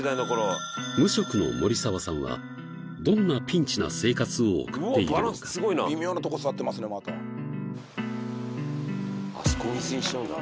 無職の森澤さんはどんなピンチな生活を送っているのか？